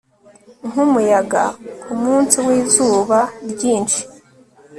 Nkumuyaga kumunsi wizuba ryinshi